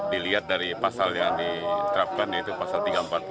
dilihat dari pasal yang diterapkan yaitu pasal tiga ratus empat puluh